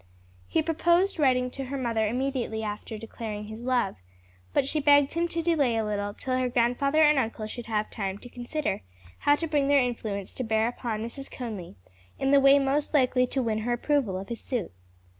He proposed writing to her mother immediately after declaring his love; but she begged him to delay a little till her grandfather and uncle should have time to consider how to bring their influence to bear upon Mrs. Conly in the way most likely to win her approval of his suit.